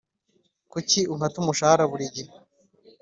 kuki unkata umushahara buri gihe